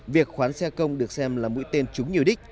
việc khoán xe công được xem là mũi tên chúng nhiều đích